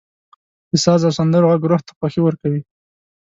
• د ساز او سندرو ږغ روح ته خوښي ورکوي.